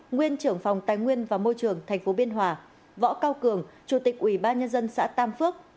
nguyên trưởng phòng tài nguyên và môi trường tp biên hòa võ cao cường chủ tịch ubnd xã tam phước